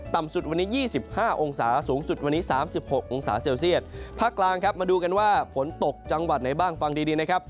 สุดวันนี้๒๕องศาสูงสุดวันนี้๓๖องศาเซลเซียตภาคกลางครับมาดูกันว่าฝนตกจังหวัดไหนบ้างฟังดีดีนะครับ